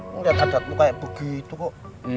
ngelihat adat lu kayak begitu kok